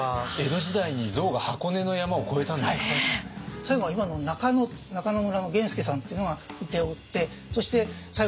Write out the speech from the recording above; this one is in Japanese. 最後は今の中野中野村の源助さんっていうのが請け負ってそして最後